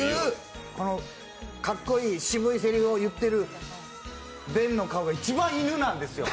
かっこいい、渋いせりふをいってるベンの顔が一番犬なんですよ。